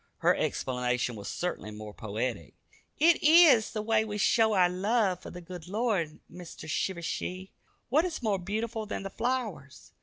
Her explanation was certainly more poetic. "It eez the way we show our love for the good Lord, Meester Shivershee. What is more beautiful than the flowers?